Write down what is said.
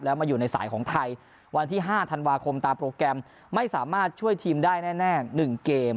แล้วมาอยู่ในสายของไทยวันที่๕ธันวาคมตามโปรแกรมไม่สามารถช่วยทีมได้แน่๑เกม